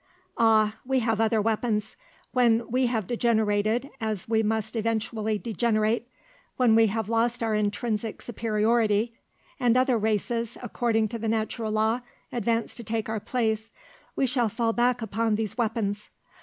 "Ah, we have other weapons. When we have degenerated, as we must eventually degenerate, when we have lost our intrinsic superiority, and other races, according to the natural law, advance to take our place, we shall fall back upon these weapons.